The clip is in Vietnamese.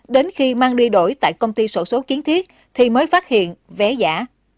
đến khi mang đi đổi tại công ty sổ số kiến thiết thì mới phát hiện vé giả